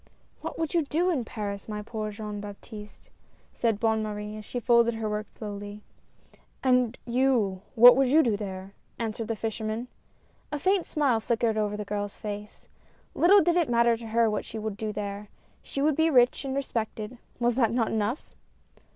" What would you do in Paris, my poor dear Jean Baptiste," said Bonne Marie, as she folded her work slowly. "And you, what would you do there ?" answered the fisherman. A faint smile flickered over the girl's face. Little did it matter to her what she would do there. She would be rich and respected — was not that enough